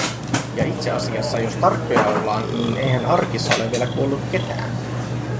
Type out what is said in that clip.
Ja itseasiassa, jos tarkkoja ollaan, niin eihän arkissa ole vielä kuollut ketään;